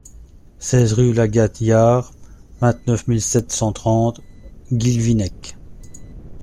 seize rue Lagad Yar, vingt-neuf mille sept cent trente Guilvinec